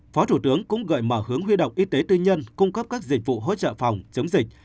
phó thủ tướng cũng gợi mở hướng huy động y tế tư nhân cung cấp các dịch vụ hỗ trợ phòng chống dịch